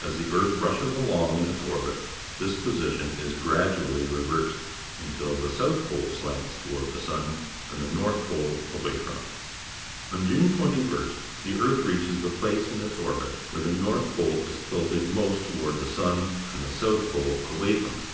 As the earth rushes along in its orbit, this position is gradually reversed, until the south pole slants toward the sun and the north pole away from it. On June 21st the ear th reaches the p lace in its orbit where the north pole is tilted most toward the sun and th e south pole away from it.